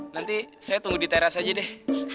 nanti saya tunggu di teras aja deh